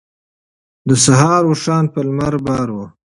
د سهار اوښان په لمر بار وو.